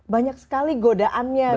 banyak sekali godaannya